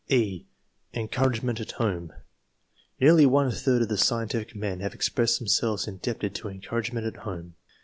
§ E. ENCOURAGEMENT AT HOME. Nearly one third of the scientific men have expressed themselves indebted to encouragement at home.